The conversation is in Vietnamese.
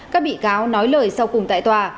các bị cáo nói lời sau cùng tại tòa